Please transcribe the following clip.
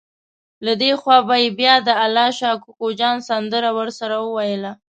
له دې خوا به یې بیا د الله شا کوکو جان سندره ورسره وویله.